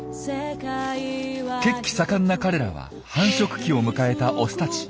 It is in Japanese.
血気盛んな彼らは繁殖期を迎えたオスたち。